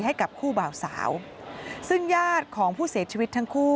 ให้กับคู่บ่าวสาวซึ่งญาติของผู้เสียชีวิตทั้งคู่